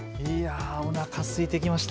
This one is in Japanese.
おなかすいてきました。